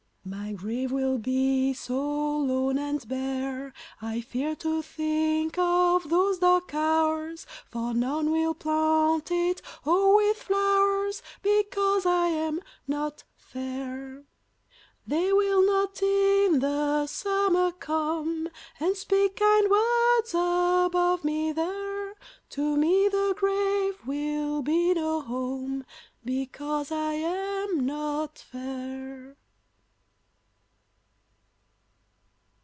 My grave will be so lone and bare, I fear to think of those dark hours, For none will plant it o'er with flowers, Because I am not fair; They will not in the summer come And speak kind words above me there; To me the grave will be no home, Because I am not fair.